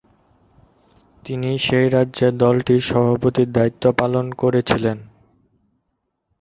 তিনি সেই রাজ্যে দলটির সভাপতির দায়িত্ব পালন করেছিলেন।